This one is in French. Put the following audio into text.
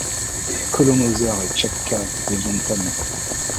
Kolo Moser et Czeschka deviennent amis.